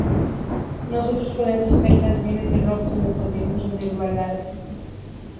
Nosotros podemos hacer canciones de rock como podemos hacer baladas.